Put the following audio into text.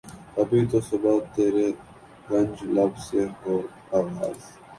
کبھی تو صبح ترے کنج لب سے ہو آغاز